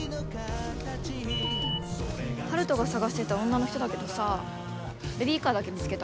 春風が捜してた女の人だけどさベビーカーだけ見つけた。